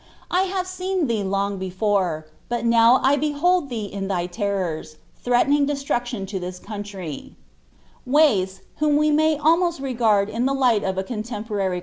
I have seen thm "'; but now I behold thee in thy terrors, threatening deatrue^ I'ounlry.'"' A li^m we may almost regard in Ihe light of a contemporary